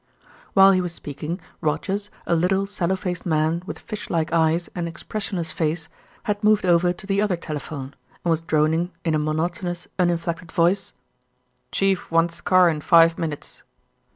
While he was speaking, Rogers, a little sallow faced man with fish like eyes and expressionless face, had moved over to the other telephone and was droning in a monotonous, uninflected voice, "Chief wants car in five minutes."